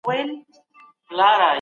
مشر څنګه ټاکل کیږي؟